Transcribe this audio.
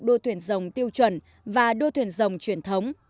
đua thuyền rồng tiêu chuẩn và đua thuyền rồng truyền thống